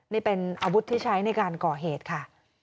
นี่เป็นอาวุธที่ใช้ในการก่อเหตุค่ะ